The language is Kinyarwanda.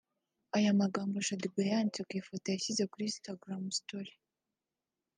Aya magambo Shaddyboo yayanditse ku ifoto yashyize kuri Instagram story